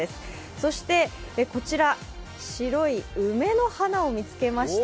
そしてこちら、白い梅の花を見つけました。